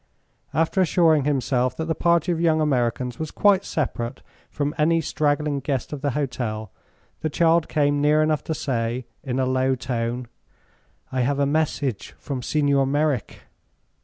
After assuring himself that the party of young Americans was quite separate from any straggling guest of the hotel, the child came near enough to say, in a low tone: "I have a message from Signor Merrick."